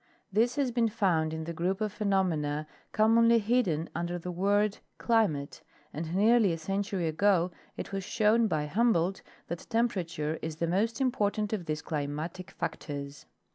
This has been found in the group of phenomena commonly hidden under the word climate, and nearly a century ago it was shown by Humboldt that tempera ture is the most important of these climatic factors.